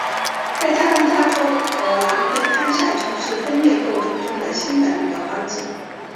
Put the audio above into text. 在加丹加省和南非开赛从事分裂斗争中的新的领导班子。